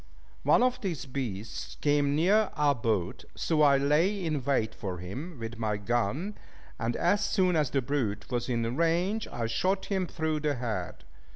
One of these beasts came near our boat; so I lay in wait for him with my gun; and as soon as the brute was in range, I shot him through the head.